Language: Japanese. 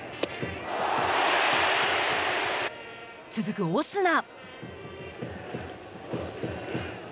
続く、オスナ。